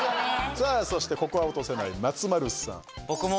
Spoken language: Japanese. さあそしてここは落とせない松丸さん。